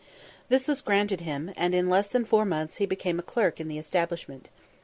This was granted him; and in less than four months he became a clerk in the establishment.